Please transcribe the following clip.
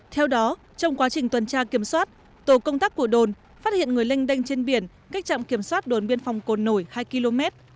theo đó trong quá trình tuần tra kiểm soát tổ công tác của đồn phát hiện người linh đanh trên biển cách trạm kiểm soát đồn biên phòng cồn nổi hai km